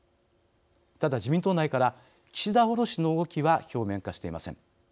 ただ、自民党内から岸田降ろしの動きは表面化していません。